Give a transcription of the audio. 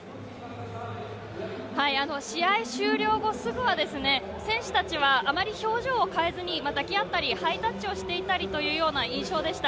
試合終了後すぐは、選手たちは、あまり表情を変えずに、抱き合ったり、ハイタッチをしていたりというような印象でした。